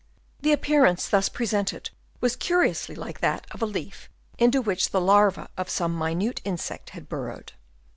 The appearance thus pre sented was curiously like that of a leaf, into which the larva of some minute insect had burrowed.